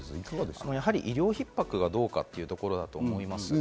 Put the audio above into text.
やはり医療ひっ迫がどうかというところだと思います。